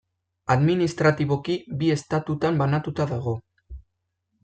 Administratiboki bi estatutan banatuta dago.